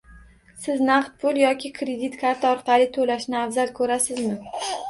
Siz naqd pul yoki kredit karta orqali to'lashni afzal ko'rasizmi?